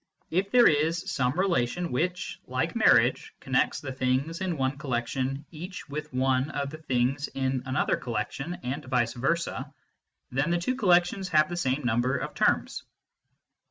If there is some relation which, like marriage, connects the things in one collection each with one of the things in another collection, and vice versa, then the two collections have the same number of terms.